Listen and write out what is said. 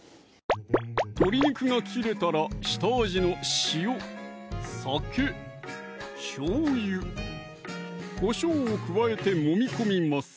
鶏肉が切れたら下味の塩・酒・しょうゆ・こしょうを加えてもみ込みます